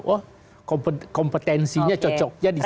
wah kompetensinya cocoknya disini